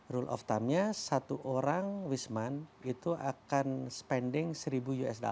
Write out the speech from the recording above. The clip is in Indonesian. rule of time nya satu orang wisman itu akan spending seribu usd